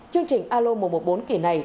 chương trình alo một trăm một mươi bốn kỳ này